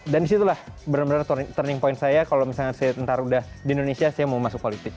dan disitulah benar benar turning point saya kalau misalnya saya ntar udah di indonesia saya mau masuk politik